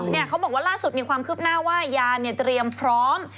เขาบอกว่าล่าสุดมีความคืบหน้าว่ายาเนี่ยเตรียมพร้อม